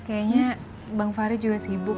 kayaknya bang fahri juga sibuk